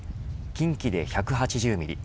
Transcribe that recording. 近畿で１８０ミリ